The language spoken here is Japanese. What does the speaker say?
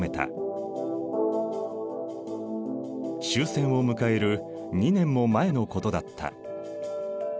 終戦を迎える２年も前のことだった。